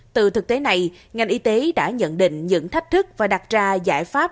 từ thực tế này ngành y tế đã nhận định những thách thức và đặt ra giải pháp